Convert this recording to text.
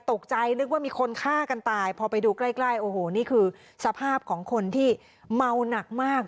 นึกว่ามีคนฆ่ากันตายพอไปดูใกล้ใกล้โอ้โหนี่คือสภาพของคนที่เมาหนักมาก